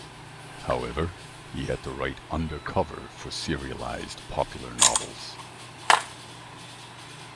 However, he had to write undercover for serialised popular novels.